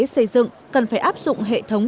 xây dựng cần phải áp dụng hệ thống